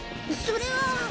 それは。